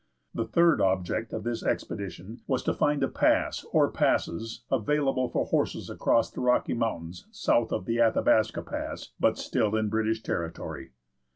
The third object of this expedition was to find a pass, or passes, available for horses across the Rocky Mountains south of the Athabasca Pass, but still in British territory.